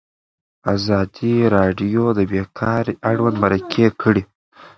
ازادي راډیو د بیکاري اړوند مرکې کړي.